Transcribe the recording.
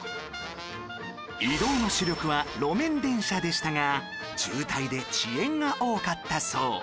移動の主力は路面電車でしたが渋滞で遅延が多かったそう